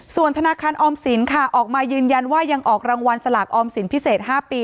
ส่วนธนาคารออมสินค่ะออกมายืนยันว่ายังออกรางวัลสลากออมสินพิเศษ๕ปี